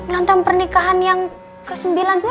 lantang pernikahan yang ke sembilan bulan kan